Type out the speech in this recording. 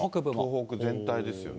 東北全体ですよね。